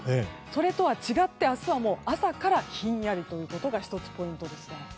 それとは違って、明日はもう朝からひんやりということが１つポイントですね。